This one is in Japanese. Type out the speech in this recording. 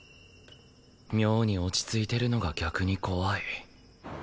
妙に落ち着いてるのが逆に怖い。